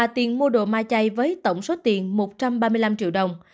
tiền mua đồ ma chay với tổng số tiền một trăm ba mươi năm triệu đồng